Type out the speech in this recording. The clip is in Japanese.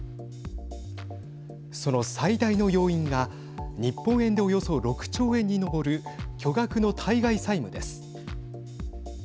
その最大の要因が日本円でおよそ６兆円に上る巨額の対外債務です。